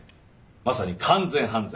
まさに完全犯罪。